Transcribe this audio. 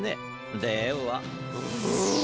では。